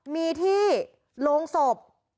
มีที่โรงศพ